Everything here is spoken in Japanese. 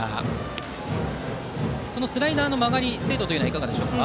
スライダーの曲がり精度はいかがですか？